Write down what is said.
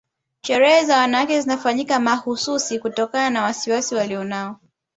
Sherehe za wanawake zinafanyika mahususi kutokana na wasiwasi walionao